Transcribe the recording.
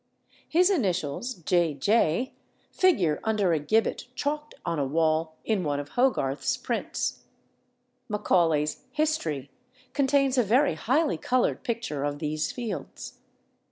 His initials, "J. J.," figure under a gibbet chalked on a wall in one of Hogarth's prints. Macaulay's History contains a very highly coloured picture of these Fields.